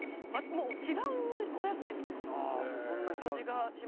もう違うお野菜みたいな味がしますね。